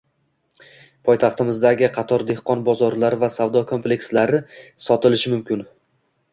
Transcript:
Poytaxtimizdagi qator dehqon bozorlari va savdo komplekslari sotilishi mumkinng